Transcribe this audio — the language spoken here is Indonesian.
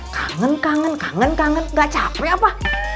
kangen kangen kangen kangen gak capek apa